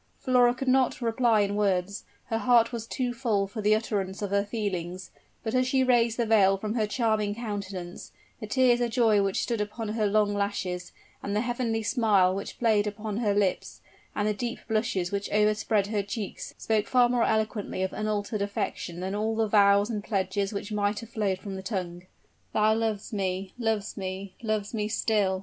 Flora could not reply in words her heart was too full for the utterance of her feelings; but as she raised the veil from her charming countenance, the tears of joy which stood upon her long lashes, and the heavenly smile which played upon her lips, and the deep blushes which overspread her cheeks spoke far more eloquently of unaltered affection than all the vows and pledges which might have flowed from the tongue. "Thou lovest me lovest me lovest me still!"